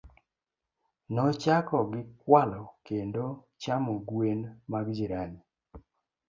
Nochako gi kwalo kendo chamo gwen mag jirani.